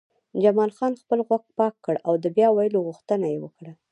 جمال خان خپل غوږ پاک کړ او د بیا ویلو غوښتنه یې وکړه